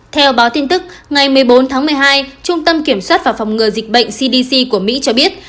theo báo tin tức ngày một mươi bốn tháng một mươi hai trung tâm kiểm soát và phòng ngừa dịch bệnh cdc của mỹ cho biết